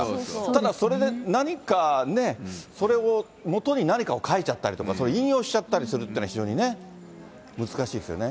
ただそれで何かね、それをもとに何かを書いちゃったりとか、引用しちゃったりするっていうのは、非常にね、難しいですよね。